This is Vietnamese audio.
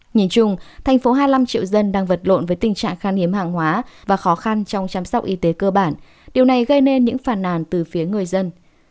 nhìn chung thành phố hai mươi năm triệu dân đang vật lộn với tình trạng khan hiếm hàng hóa và khó khăn trong chăm sóc y tế cơ bản điều này gây nên những phàn nàn từ phía người dân